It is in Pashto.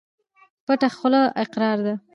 پټه خوله اقرار ده.